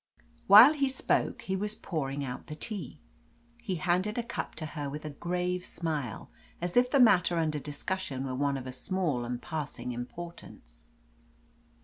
While he spoke he was pouring out the tea. He handed a cup to her with a grave smile, as if the matter under discussion were one of a small and passing importance.